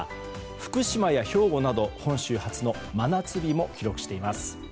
福島や兵庫など本州初の真夏日も記録しています。